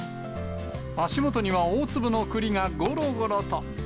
足元には大粒のくりがごろごろと。